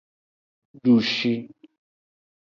Dushi.